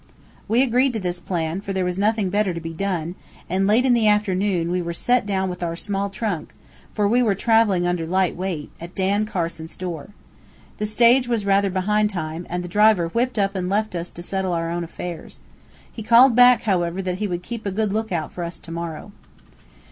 We agreed to this plan, for there was nothing better to be done, and, late in the afternoon, we were set down with our small trunk for we were traveling under light weight at Dan Carson's door. The stage was rather behind time, and the driver whipped up and left us to settle our own affairs. He called back, however, that he would keep a good lookout for us to morrow.